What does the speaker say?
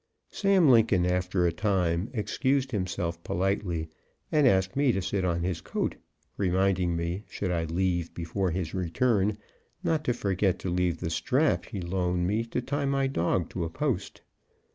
Sam Lincoln, after a time, excused himself politely and asked me to sit on his coat, reminding me should I leave before his return not to forget to leave the strap he loaned me to tie my dog to a post.